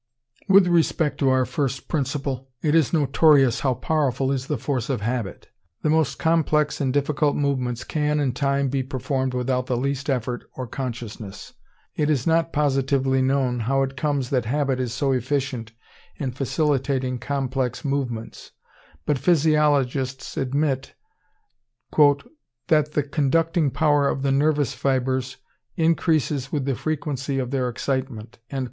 With respect to our first Principle, it is notorious how powerful is the force of habit. The most complex and difficult movements can in time be performed without the least effort or consciousness. It is not positively known how it comes that habit is so efficient in facilitating complex movements; but physiologists admit "that the conducting power of the nervous fibres increases with the frequency of their excitement."